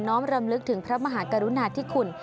้อมรำลึกถึงพระมหากรุณาธิคุณ